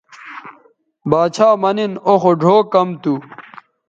باڇھا مہ نِن او خو ڙھؤ کم تھو